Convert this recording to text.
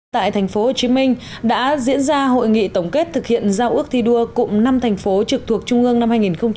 tại tp hcm đã diễn ra hội nghị tổng kết thực hiện giao ước thi đua cụm năm thành phố trực thuộc trung ương năm hai nghìn một mươi chín